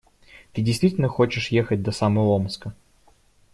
Ты действительно хочешь ехать до самого Омска?